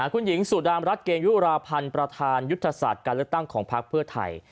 คุณหญิงสุดามรัฐเกยุราพันธ์ประธานยุทธศาสตร์การเลือกตั้งของพักเพื่อไทย